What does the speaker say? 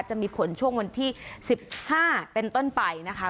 จะมีผลช่วงวันที่๑๕เป็นต้นไปนะคะ